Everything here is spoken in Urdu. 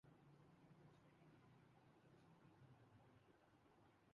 برقعہ پہن کے وہ ایسا کر سکتی ہیں؟